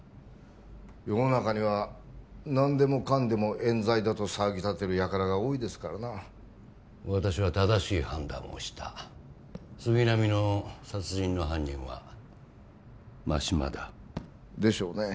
世の中には何でもかんでもえん罪だと騒ぎ立てるやからが多いですからな私は正しい判断をした杉並の殺人の犯人は真島だでしょうね